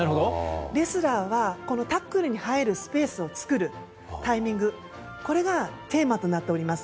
レスラーはこのタックルに入るスペースを作るタイミングがテーマとなっております。